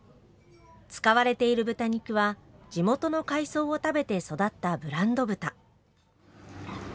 使われている豚肉は地元の海藻を食べて育ったブランド豚。